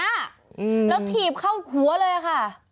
แล้วถีบเข้าหัวเลยค่ะ